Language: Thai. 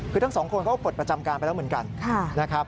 คือทั้งสองคนก็ปลดประจำการไปแล้วเหมือนกัน